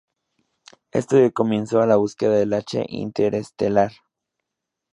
Esto dio comienzo a la búsqueda del H interestelar.